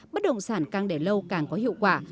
bất động sản càng để lâu càng có hiệu quả